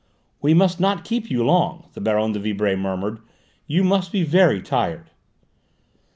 "We must not keep you long," the Baronne de Vibray murmured. "You must be very tired."